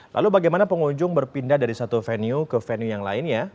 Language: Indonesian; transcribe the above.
lalu bagaimana pengunjung berpindah dari satu venue ke venue yang lainnya